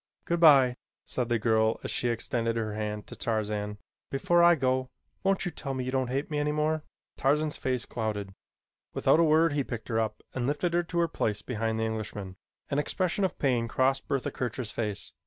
"Good bye," said the girl as she extended her hand to Tarzan. "Before I go won't you tell me you don't hate me any more?" Tarzan's face clouded. Without a word he picked her up and lifted her to her place behind the Englishman. An expression of pain crossed Bertha Kircher's face.